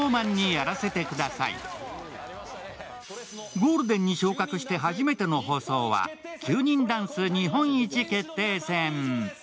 ゴールデンに昇格して初めての放送は９人ダンス日本一決定戦。